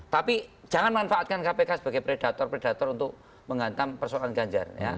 tapi jangan manfaatkan kpk sebagai predator predator untuk menghantam persoalan ganjar